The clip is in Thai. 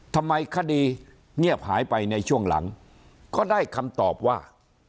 ทำไมคดีเงียบหายไปในช่วงหลังก็ได้คำตอบว่า